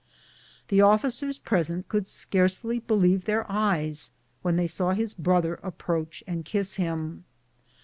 The oflScers present could scarcely believe their eyes when they saw his brother approach and kiss him.